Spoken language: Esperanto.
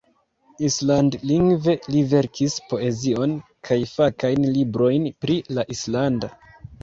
Island-lingve li verkis poezion kaj fakajn librojn pri la islanda.